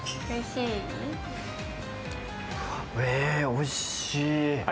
おいしい。